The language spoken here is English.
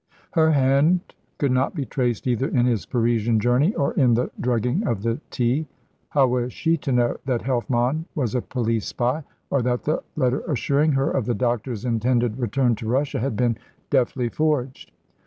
Her hand could not be traced either in his Parisian journey or in the drugging of the tea. How was she to know that Helfmann was a police spy, or that the letter assuring her of the doctor's intended return to Russia had been deftly forged?